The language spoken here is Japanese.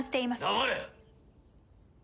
黙れ！